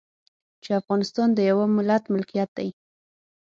چې افغانستان د يوه ملت ملکيت دی.